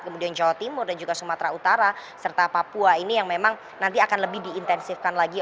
kemudian jawa timur dan juga sumatera utara serta papua ini yang memang nanti akan lebih diintensifkan lagi